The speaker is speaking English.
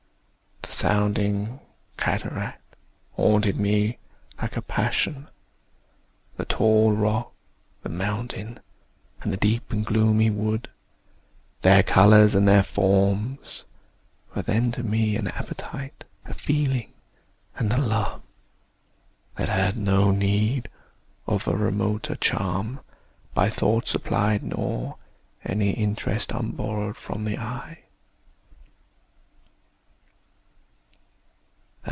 The sounding cataract Haunted me like a passion: the tall rock, The mountain, and the deep and gloomy wood, Their colours and their forms, were then to me An appetite; a feeling and a love, That had no need of a remoter charm, By thought supplied, nor any interest Unborrowed from the eye.